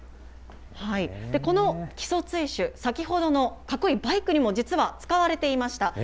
この木曽堆朱、先ほどのかっこいいバイクにも、実は使われていました。